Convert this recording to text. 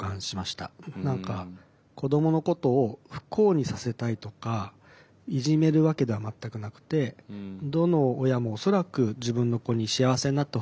子どものことを不幸にさせたいとかいじめるわけでは全くなくてどの親も恐らく自分の子に幸せになってほしいって思っていて。